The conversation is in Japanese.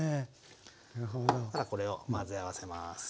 そしたらこれを混ぜ合わせます。